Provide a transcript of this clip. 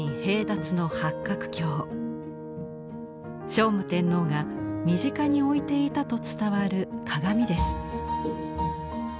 聖武天皇が身近に置いていたと伝わる鏡です。